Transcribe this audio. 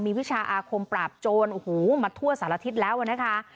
มีวิชาอาคมปราบโจรมาทั่วสหรัฐฤทธิ์แล้วนะคะ